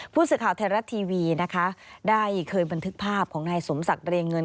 ผู้สื่อข่าวไทยรัฐทีวีนะคะได้เคยบันทึกภาพของนายสมศักดิ์เรียงเงิน